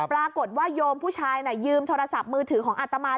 ปรากฏว่าโยมผู้ชายน่ะยืมโทรศัพท์มือถือของอัตมา